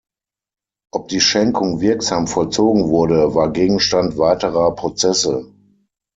Ob die Schenkung wirksam vollzogen wurde, war Gegenstand weiterer Prozesse.